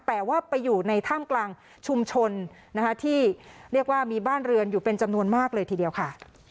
แต่ว่าไปอยู่ในถ้ำกลางชุมชนนะคะที่เรียกว่ามีบ้านเรือนอยู่เป็นจำนวนมากเลยทีเดียวค่ะ